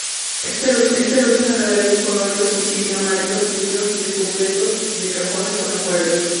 Este luce una galería con óleos antiguos, y armarios repletos de cajones con acuarelas.